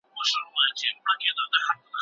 خلګ له ډېر پخوا څخه د پرمختګ هڅه کوي.